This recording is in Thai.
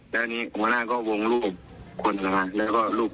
โดดมัน่าก็วงลูกอยู่บนตู้แล้วก็คอนนะครับ